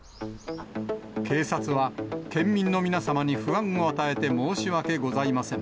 警察は、県民の皆様に不安を与えて申し訳ございません。